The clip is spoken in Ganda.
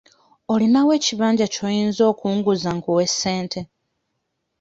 Olinawo ekibanja ky'oyinza okunguza nkuwe ssente?